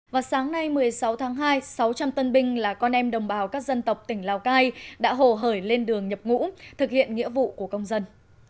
vào sáng nay một mươi sáu tháng hai sáu trăm linh tân binh là con em đồng bào các dân tộc tỉnh lào cai đã hồ hởi lên đường nhập ngũ thực hiện nghĩa vụ của công dân